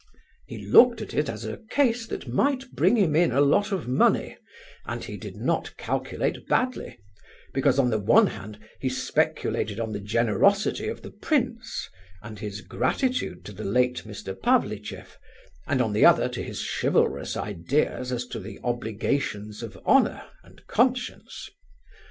He looked at it as a case that might bring him in a lot of money, and he did not calculate badly; because on the one hand he speculated on the generosity of the prince, and his gratitude to the late Mr. Pavlicheff, and on the other to his chivalrous ideas as to the obligations of honour and conscience.